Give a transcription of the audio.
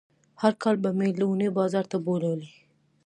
هر کال به مې لوڼې بازار ته بوولې.